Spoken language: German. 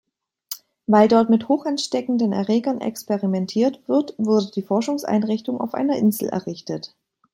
Weil dort mit hochansteckenden Erregern experimentiert wird, wurde die Forschungseinrichtung auf einer Insel errichtet.